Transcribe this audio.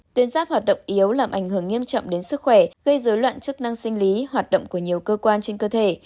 tuyến giáp hoạt động yếu làm ảnh hưởng nghiêm trọng đến sức khỏe gây dối loạn chức năng sinh lý hoạt động của nhiều cơ quan trên cơ thể